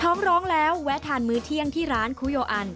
พร้อมร้องแล้วแวะทานมื้อเที่ยงที่ร้านคุโยอัน